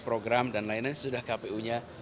program dan lainnya sudah kpu nya